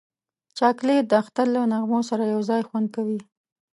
چاکلېټ د اختر له نغمو سره یو ځای خوند کوي.